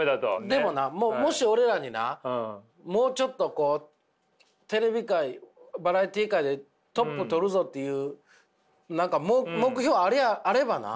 でもなもし俺らになもうちょっとテレビ界バラエティー界でトップ取るぞっていう何か目標あればな。